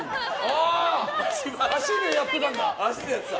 足でやってたんだ！